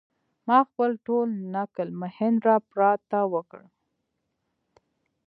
ما خپل ټول نکل مهیندراپراتاپ ته وکړ.